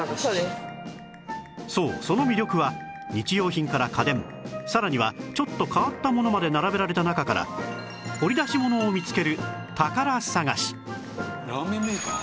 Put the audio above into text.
そうその魅力は日用品から家電さらにはちょっと変わったものまで並べられた中からラーメンメーカー？